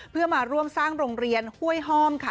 เพื่อมาร่วมสร้างโรงเรียนห้วยห้อมค่ะ